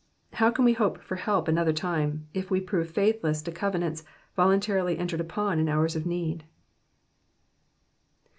How can we hope for help another time, if we prove faithless to covenants voluntarily entered upon in hours of need.